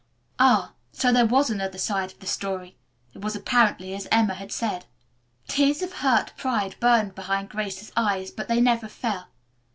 Ah, so there was another side of the story! It was apparently as Emma had said. Tears of hurt pride burned behind Grace's eyes, but they never fell.